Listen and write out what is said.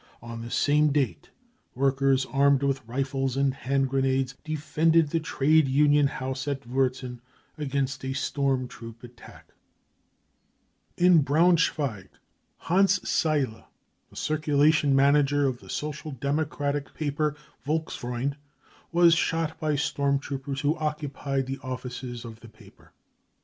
On the same date workers armed •# I 144 BROWN BOOK OF THE HITLER TERROR ■# with rifles and hand grenades defended the Trade Union House at Wurzen against a storm troop attack. In Braunsch weig, Hans Saile, the circulation manager of the Social Democratic paper Volksfreund , was shot by storm troopers who occupied the offices of the paper.